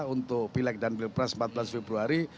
untuk pilek dan pilpres empat belas februari